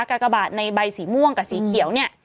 กากบาทในใบสีม่วงกับสีเขียวเนี่ย